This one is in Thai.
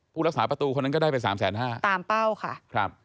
รักษาประตูคนนั้นก็ได้ไปสามแสนห้าตามเป้าค่ะครับ